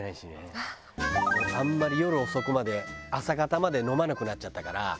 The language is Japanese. あんまり夜遅くまで朝方まで飲まなくなっちゃったから。